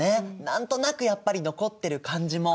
何となくやっぱり残ってる感じも。